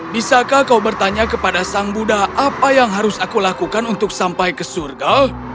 bisakah kau bertanya kepada sang buddha apa yang harus aku lakukan untuk sampai ke surga